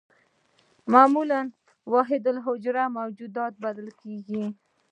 معمولاً وحیدالحجروي موجودات بلل کېږي.